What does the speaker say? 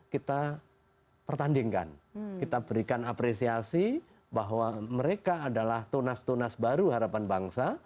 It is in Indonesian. kita pertandingkan kita berikan apresiasi bahwa mereka adalah tunas tunas baru harapan bangsa